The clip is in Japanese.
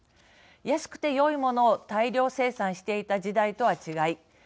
安くてよいものを大量生産していた時代とは違い